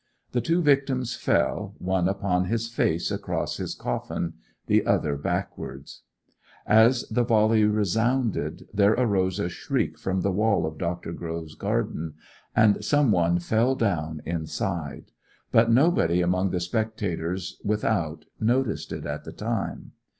The two victims fell, one upon his face across his coffin, the other backwards. As the volley resounded there arose a shriek from the wall of Dr. Grove's garden, and some one fell down inside; but nobody among the spectators without noticed it at the time.